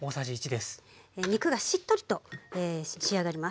肉がしっとりと仕上がります。